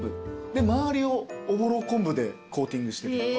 で周りをおぼろ昆布でコーティングして。